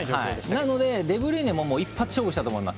なので、デブルイネも一発勝負したと思います。